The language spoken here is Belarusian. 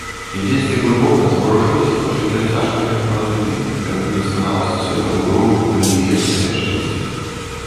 І дзесьці глыбока заварушылася пачуццё цяжкага непаразумення перад недасканаласцю светабудовы, перад яе супярэчлівасцю.